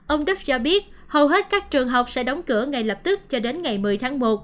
ông đức cho biết hầu hết các trường học sẽ đóng cửa ngay lập tức cho đến ngày một mươi tháng một